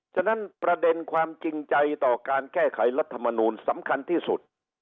ฉะนั้นประเด็นความจริงใจต่อการแก้ไขรัฐมนูลสำคัญที่สุด